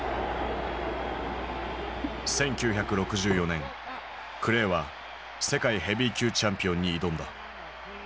１９６４年クレイは世界ヘビー級チャンピオンに挑んだ。